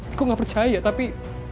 igo gak percaya tapi